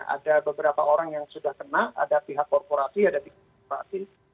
ada beberapa orang yang sudah kena ada pihak korporasi ada pihak korporasi